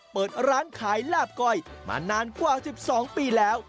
เปิดร้านขายลาบก้อยมานานกว่า๑๒ปีแล้ว